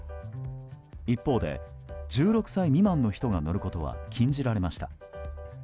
一方で１６歳未満の人が乗ることは禁じられました。